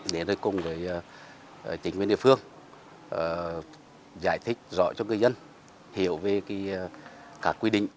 để đối cùng với tỉnh quyền địa phương giải thích rõ cho người dân hiểu về các quy định